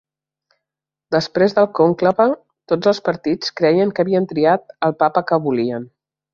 Després del conclave, tots els partits creien que havien triat el papa que volien.